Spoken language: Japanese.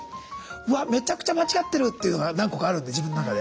わっめちゃくちゃ間違ってるというのが何個かあるんで自分の中で。